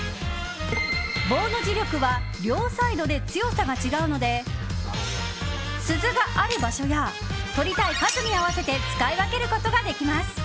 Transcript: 棒の磁力は両サイドで強さが違うので鈴がある場所や取りたい数に合わせて使い分けることができます。